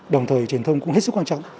đồng thời truyền thông cũng hết sức quan trọng